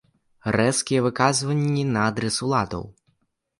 Рэзкія выказванні на адрас уладаў.